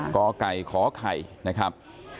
กไก่ขอไข่นะครับ